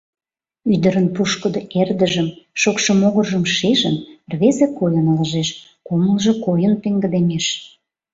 Ӱдырын пушкыдо эрдыжым, шокшо могыржым шижын, рвезе койын ылыжеш, кумылжо койын пеҥгыдемеш.